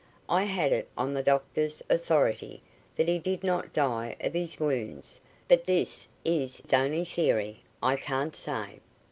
I had it on the doctor's authority that he did not die of his wounds; but this is only theory. I can't say."